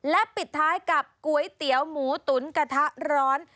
และปิดท้ายกับก๋วยเตี๋ยวหมูตุ๋นกระทะร้อน